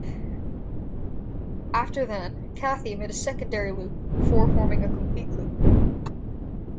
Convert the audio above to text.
After then, Kathy made a secondary loop before forming a complete loop.